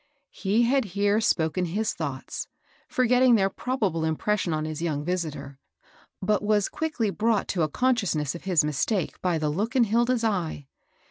He had here spoken his thoughts, forgetting their probable impression on his young visitor, but was quickly brought to a consciousness of his mistake by the look in Hilda's eye.